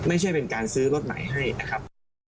ไม่ใช่เป็นการซื้อรถใหม่ให้นะครับ